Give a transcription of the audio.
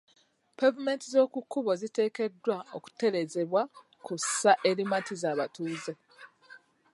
Pevumenti z'oku kkubo ziteekeddwa okutereezebwa ku ssa erimatiza abatambuze.